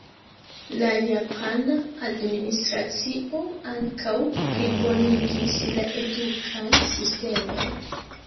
La japana administracio ankaŭ plibonigis la edukan sistemon.